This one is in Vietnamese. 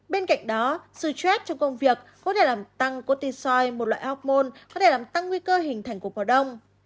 bên cạnh đó suy chết trong công việc có thể làm tăng cortisol một loại hormone có thể làm tăng nguy cơ hình thành cục bỏ đông